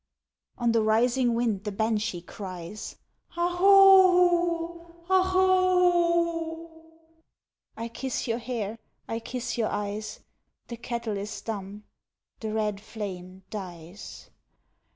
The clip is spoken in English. On the rising wind the Banshee cries "O hoho, O hoho o o!" I kiss your hair. I kiss your eyes The kettle is dumb; the red flame dies!